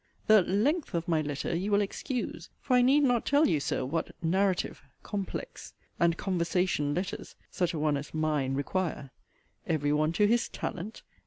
The 'length' of my letter you will excuse: for I need not tell you, Sir, what 'narrative,' 'complex,' and 'conversation' letters (such a one as 'mine') require. Every one to his 'talent.'